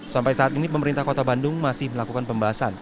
sampai saat ini pemerintah kota bandung masih melakukan pembahasan